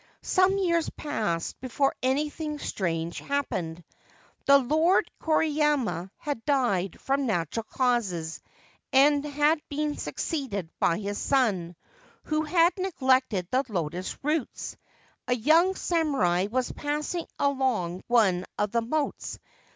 Some years passed before anything strange happened. The Lord Koriyama had died from natural causes, and had been succeeded by his son, who had neglected the lotus roots. A young samurai was passing along one of the moats.